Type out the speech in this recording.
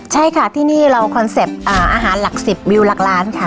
ใช่ค่ะที่นี่เราคอนเซ็ปต์อาหารหลัก๑๐วิวหลักล้านค่ะ